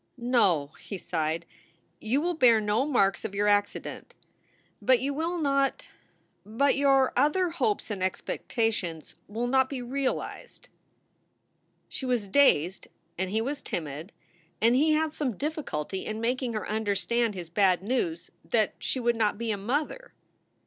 "No," he sighed. "You will bear no marks of your accident. But you will not but your other hopes and expectations will not be realized." SOULS FOR SALE 159 She was dazed and he was timid, and he had some diffi culty in making her understand his bad news: that she would not be a mother.